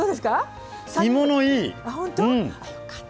干物いい！